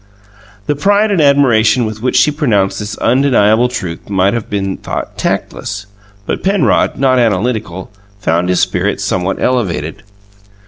The pride and admiration with which she pronounced this undeniable truth might have been thought tactless, but Penrod, not analytical, found his spirits somewhat elevated.